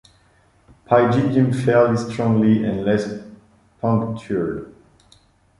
Pygidium fairly strongly and less punctured.